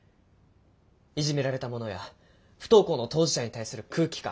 いじめられた者や不登校の当事者に対する空気感。